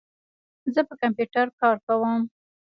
زه په کمپیوټر کار کوم.